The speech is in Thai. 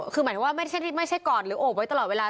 คือหมายถึงว่าไม่ใช่กอดหรือโอบไว้ตลอดเวลา